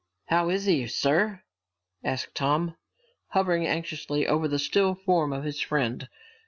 "How is he, sir?" asked Tom, hovering anxiously over the still form of his friend.